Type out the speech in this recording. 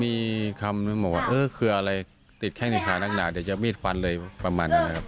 มีคำนึงบอกว่าเออคืออะไรติดแข้งในขานักหนาเดี๋ยวจะมีดฟันเลยประมาณนั้นนะครับ